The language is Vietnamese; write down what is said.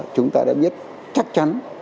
chúng ta đã biết chắc chắn